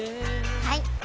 はい！